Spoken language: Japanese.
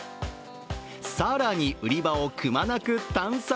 更に売り場をくまなく探索